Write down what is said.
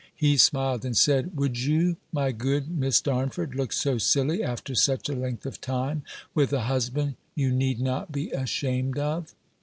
He smiled, and said, "Would you, my good Miss Darnford, look so silly, after such a length of time, with a husband you need not be ashamed of?"